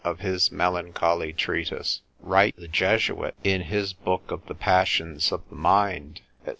of his Melancholy Treatise. Wright the Jesuit, in his Book of the Passions of the Mind, &c.